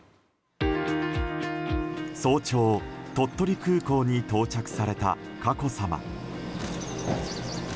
早朝、鳥取空港に到着された佳子さま。